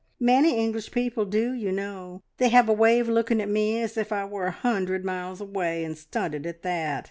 Many English people do, you know. They have a way of looking at me as if I were a hundred miles away, and stunted at that.